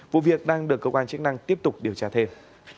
vụ việc đang được cơ quan chức năng tiếp tục điều tra thêm